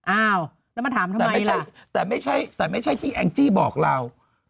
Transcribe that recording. อ้าวแล้วมันถามทำไมแต่ไม่ใช่แต่ไม่ใช่แต่ไม่ใช่ที่แองจี้บอกเรา